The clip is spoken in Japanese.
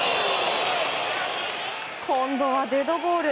今度はデッドボール。